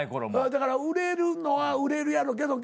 だから売れるのは売れるやろけど。